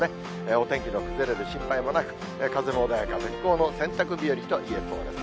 お天気の崩れる心配もなく、風も穏やか、絶好の洗濯日和といえそうです。